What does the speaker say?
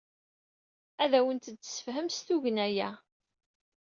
Ad awent-d-tessefhem s tugna-a.